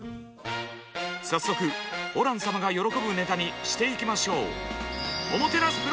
早速ホラン様が喜ぶネタにしていきましょう！